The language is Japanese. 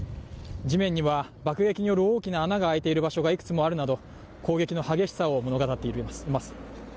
地面には爆撃による大きな穴が開いている場所がいくつもあるなど攻撃の激しさを物語っています。